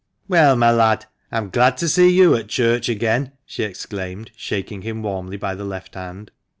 " Well, my lad, I'm glad to see you at church again !" she exclaimed, shaking him warmly by the left hand.